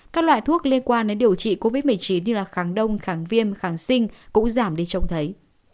các loại thuốc liên quan đến điều trị covid một mươi chín như kháng đông kháng viêm kháng sinh cũng giảm đi trông thấy